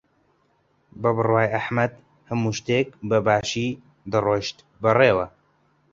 بە بڕوای ئەحمەد هەموو شتێک بەباشی دەڕۆشت بەڕێوە.